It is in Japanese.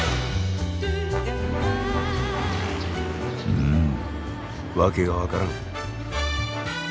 うん訳が分からん。